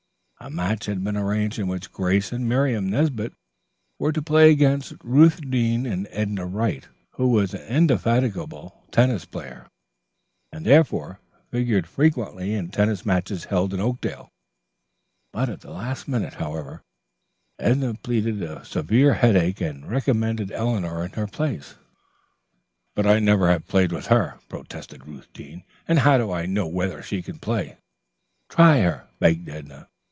A match had been arranged in which Grace and Miriam Nesbit were to play against Ruth Deane and Edna Wright, who was an indefatigable tennis player, and therefore figured frequently in tennis matches held in Oakdale. At the last minute, however, Edna pleaded a severe headache and recommended Eleanor in her place. "But I never have played with her," protested Ruth Deane, "and how do I know whether she can play?" "Try her," begged Edna.